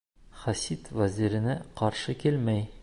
Хәсид вәзиренә ҡаршы килмәй.